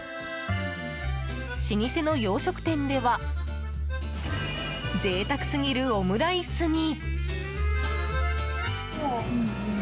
老舗の洋食店では贅沢すぎるオムライスに。